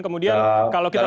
kemudian kalau kita tahu